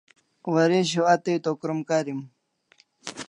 Waresho a tai to krom karim